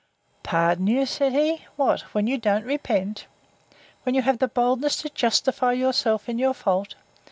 Pardon you! said he, What! when you don't repent?—When you have the boldness to justify yourself in your fault?